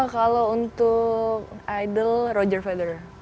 kalau untuk idol roger feder